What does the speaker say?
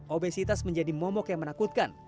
obesitas menjadi momok yang menakutkan